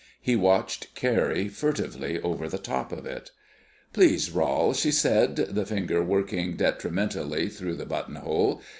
He watched Carrie furtively over the top of it. "Please, Rol," she said, the finger working detrimentally through the buttonhole.